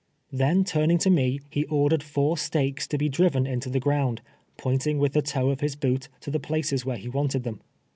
Then turning to me, he ordered four stakes to be driven into the ground, pointing with the toe of his boot to the places where he wanted them.